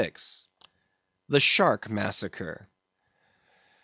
The Shark Massacre.